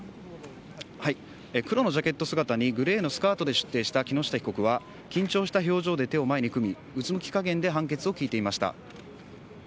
黒のジャケット姿にグレーのスカートで出廷した木下被告は、緊張した表情で手を前に組み、うつむき加減で判決を聞いていました。